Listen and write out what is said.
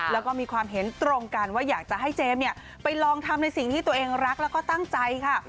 แล้วก็มีความเห็นตรงกันว่าอยากจะให้เจมส์เนี่ยไปลองทำในสิ่งที่ตัวเองรักแล้วก็ตั้งใจค่ะ